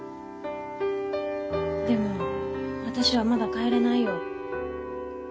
・でも私はまだ帰れないよ。